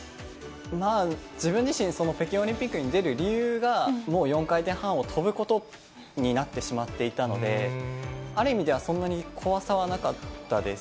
自分自身、北京オリンピックに出る理由が、もう４回転半を跳ぶことになってしまっていたので、ある意味では、そんなに怖さはなかったです。